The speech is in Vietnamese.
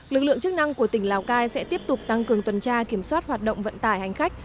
lực lượng chức năng của tỉnh lào cai sẽ tiếp tục tăng cường tuần tra kiểm soát hoạt động vận tải hành khách